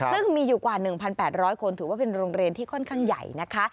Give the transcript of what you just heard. ซึ่งมีอยู่กว่า๑๘๐๐คนถือว่าเป็นโรงเรียนที่ค่อนข้างใหญ่นะคะ